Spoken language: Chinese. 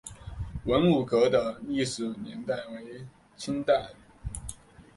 文武阁的历史年代为清代。